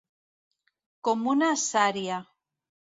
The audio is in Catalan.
Com una sària.